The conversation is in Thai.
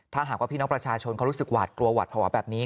ถ้าหากว่าพี่น้องประชาชนเขารู้สึกหวาดกลัวหวาดภาวะแบบนี้